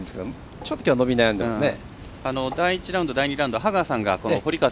ちょっときょうは伸び悩んでますね。